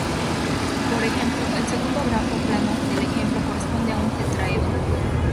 Por ejemplo, el segundo grafo plano del ejemplo corresponde a un tetraedro.